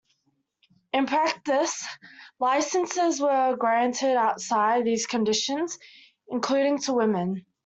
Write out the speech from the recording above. In practice licences were granted outside these conditions, including to women.